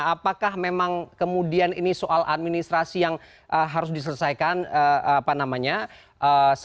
apakah memang kemudian ini soal administrasi yang harus diselesaikan apa namanya